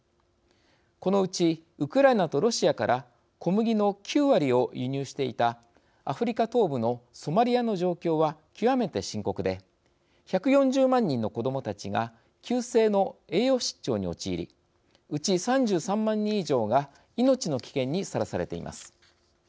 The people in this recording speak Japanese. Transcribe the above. このうちウクライナとロシアから小麦の９割を輸入していたアフリカ東部のソマリアの状況は極めて深刻で１４０万人の子どもたちが急性の栄養失調に陥りうち３３万人以上が命の危険にさらされています。